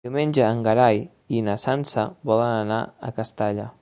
Diumenge en Gerai i na Sança volen anar a Castalla.